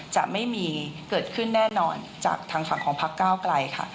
จะไม่มีเกิดขึ้นแน่นอนจากทางฝั่งของพักเก้าไกลค่ะ